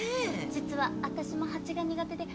実は私も蜂が苦手で。